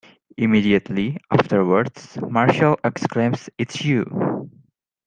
Immediately afterwards Marshall exclaims It's you!